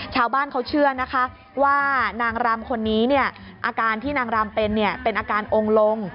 ชาวบ้านเขาเชื่อนะคะว่านางรำคนนี้เนี่ยอาการที่นางรำเป็นเป็นอาการองค์ลง